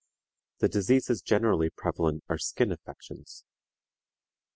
The diseases generally prevalent are skin affections.